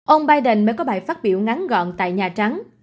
ông biden mới có bài phát biểu ngắn gọn tại nhà trắng